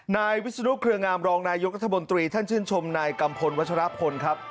นายวิศนุกริยงามรองนายกัฎบนตรีท่านชื่นชมนายกำพลวัชฌาพนธ์ครับ